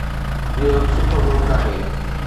اهو هڪ سٺو ملڪ آهي.